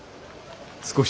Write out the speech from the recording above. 少し。